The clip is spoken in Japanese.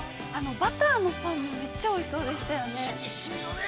◆バターのやつめっちゃおいしそうでしたよね。